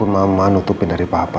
mama nutupin dari papa